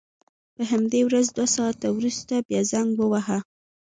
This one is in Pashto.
په همدې ورځ دوه ساعته وروسته بیا زنګ وواهه.